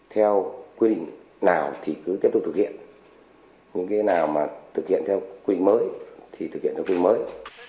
theo quy định nào thì cứ tiếp tục thực hiện những cái nào mà thực hiện theo quy định mới thì thực hiện theo quy định mới